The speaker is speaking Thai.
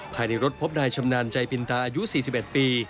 ภายในรถพบนายชำนาญใจปินตาอายุ๔๑ปี